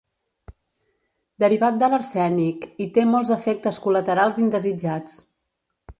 Derivat de l'arsènic i té molts efectes col·laterals indesitjats.